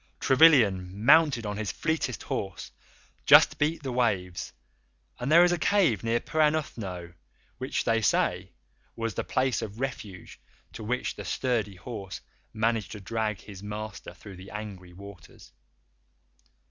Trevilian, mounted on his fleetest horse, just beat the waves, and there is a cave near Perranuthnoe which, they say, was the place of refuge to which the sturdy horse managed to drag his master through the angry waters.